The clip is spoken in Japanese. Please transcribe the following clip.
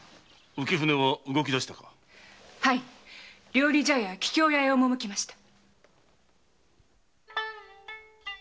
料理茶屋「桔梗屋」へおもむきました。